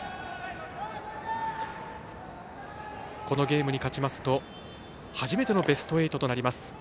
このゲームに勝ちますと初めてのベスト８となります。